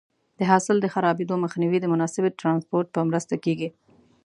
د حاصل د خرابېدو مخنیوی د مناسبې ټرانسپورټ په مرسته کېږي.